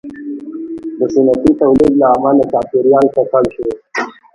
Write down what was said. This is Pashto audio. • د صنعتي تولید له امله چاپېریال ککړ شو.